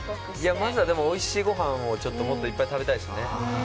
まずは、おいしいごはんをいっぱい食べたいですね。